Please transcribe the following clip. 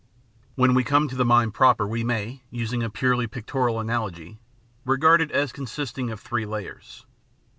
^ When we come to the mind proper we may, using a purely pictorial analogy, regard it as consisting of three layers.